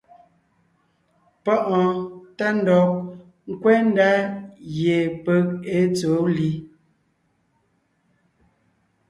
Páʼɔɔn tá ndɔg ńkwɛ́ ndá gie peg èe tsɛ̀ɛ wó li.